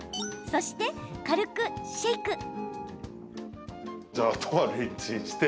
そして、軽くシェーク。